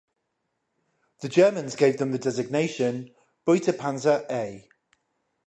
The Germans gave them the designation "Beutepanzer A".